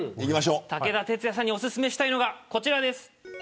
武田鉄矢さんにおすすめしたいのがこちらです。